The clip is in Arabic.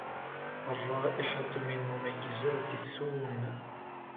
الرائحة من مميزات الثوم.